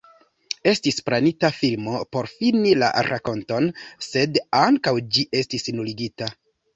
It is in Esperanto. Estis planita filmo por fini la rakonton, sed ankaŭ ĝi estis nuligita.